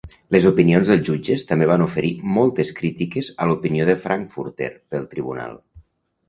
Les opinions dels jutges també van oferir moltes crítiques a l'opinió de Frankfurter pel tribunal.